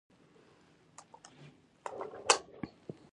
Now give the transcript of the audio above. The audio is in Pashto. ښه خیر، ته جوړ یې؟